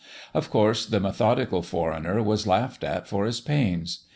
Of course the methodical foreigner was laughed at for his pains.